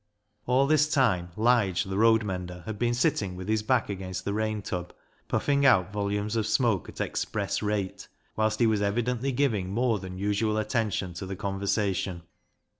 All this time Lige the road mender had been sitting with his back against the rain tub, puffing out volumes of smoke at express rate, whilst he was evidently giving more than usual attention to the conversation.